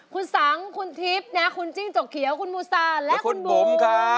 คุณสังคุณทิพย์นะคุณจิ้งจกเขียวคุณมูซาและคุณบุ๋มค่ะ